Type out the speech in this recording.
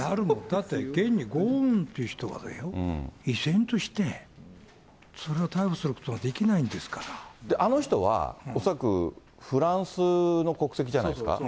現にゴーンという人がだよ、依然として、それを逮捕することがであの人は、恐らくフランスの国籍じゃないですか。